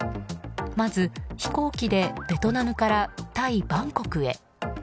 まず、飛行機でベトナムからタイ・バンコクへ。